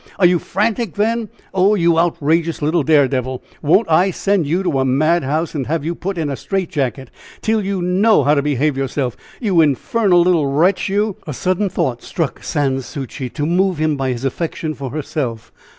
Are you frantic, then? Oh, you outrageous little dare devil! Won't I send you to a mad house, and have you put in a strait jacket, till you know how to behave yourself! You infernal little wretch, you!" A sudden thought struck Sans Souci to move him by his affection for herself.